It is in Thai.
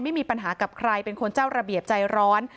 ไม่มีปัญหากับใครเป็นคนเจ้าระเบียบใจร้อน